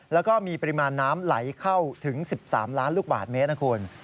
แล้วก็มีปริมาณน้ำไหลเข้าถึง๑๓ล้านลูกบาทเมตรนะคุณ